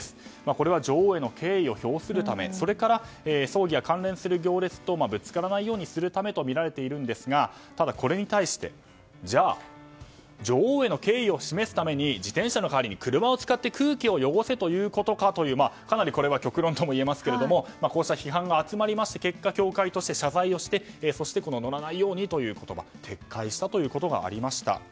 これは女王への敬意を表するためそれから、葬儀や関連する行列とぶつからないようにするためとみられているんですがただ、これに対してじゃあ女王への敬意を示すために自転車の代わりに車を使って空気を汚せということかとかなりこれは極論といえますけどもこうした批判が集まりまして結果、協会として謝罪をしてそして乗らないようにという言葉は撤回したということがありました。